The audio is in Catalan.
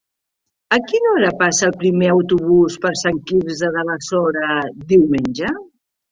A quina hora passa el primer autobús per Sant Quirze de Besora diumenge?